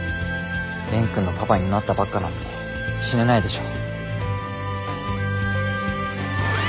蓮くんのパパになったばっかなのに死ねないでしょ。